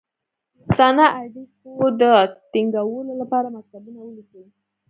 دوستانه اړېکو د تینګولو لپاره مکتوبونه ولیکي.